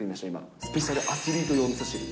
スペシャルアスリート用みそ汁。